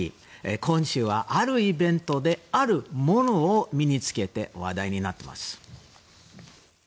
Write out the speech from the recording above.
今週は、あるイベントであるものを身に着けて話題になっています。